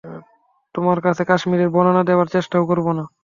তোমার কাছে কাশ্মীরের বর্ণনা দেবার চেষ্টাও করব না।